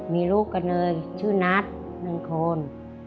มีลูกกันเนยชื่อนัท๑คน